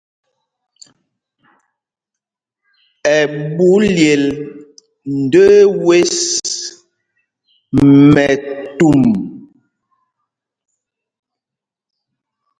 Ɛɓú lyel ndəə wes mɛtu.